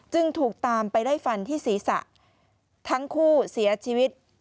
จึงถูกตามไปไล่ฟันที่ศีรษะทั้งคู่เสียชีวิต